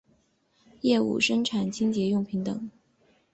业务生产清洁用品等。